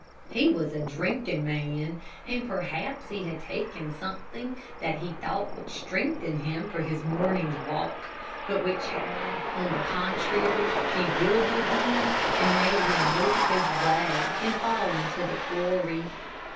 He was a drinking man, and perhaps he had taken something that he thought would strengthen him for his morning's walk, but which had, on the contrary, bewildered him, and made him lose his way and fall into the quarry.